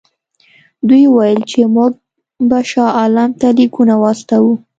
دوی وویل چې موږ به شاه عالم ته لیکونه واستوو.